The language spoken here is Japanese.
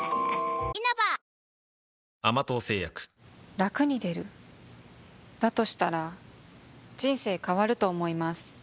ラクに出る？だとしたら人生変わると思います